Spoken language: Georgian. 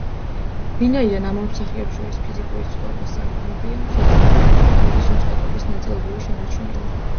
ვინაიდან ამ ორ მსახიობს შორის ფიზიკური სხვაობა საგრძნობია, შესაძლებელი გახდა გმირის უწყვეტობის ნაწილობრივი შენარჩუნება.